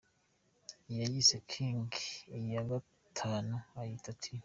I yayise “King”, iya gatanu ayita “T.